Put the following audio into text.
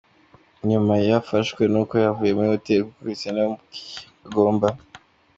nyuma yafashwe, nuko yavuye muri Hotel, kuko Christiano yamubwiye ko agomba.